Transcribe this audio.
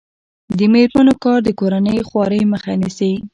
د میرمنو کار د کورنۍ خوارۍ مخه نیسي.